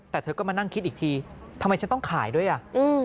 แต่เธอก็มานั่งคิดอีกทีทำไมฉันต้องขายด้วยอ่ะอืม